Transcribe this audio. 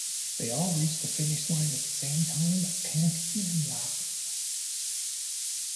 They all reached the finish line at the same time, panting and laughing.